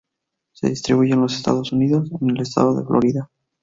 Se distribuye en los Estados Unidos en el estado de Florida.